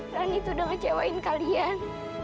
rani tuh udah ngecewain kalian